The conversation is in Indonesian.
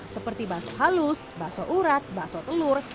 seperti baso halus baso urat baso telur